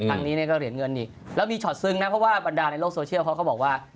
ครั้งนี้เนี่ยก็เหรียญเงินอีกแล้วมีช็อตซึ้งนะเพราะว่าบรรดาในโลกโซเชียลเขาก็บอกว่า